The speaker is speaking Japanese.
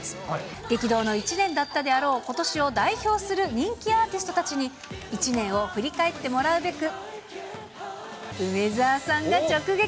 激動の１年だったであろうことしを代表する人気アーティストたちに１年を振り返ってもらうべく、梅澤さんが直撃。